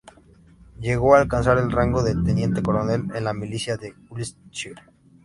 Llegó a alcanzar el rango de Teniente coronel en la milicia de Wiltshire.